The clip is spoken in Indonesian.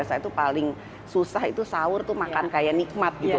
saya tuh paling susah itu sahur tuh makan kayak nikmat gitu